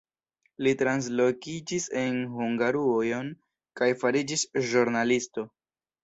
Li translokiĝis en Hungarujon kaj fariĝis ĵurnalisto.